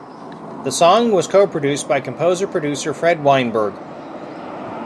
The song was co-produced by composer-producer Fred Weinberg.